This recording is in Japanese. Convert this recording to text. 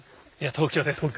東京です。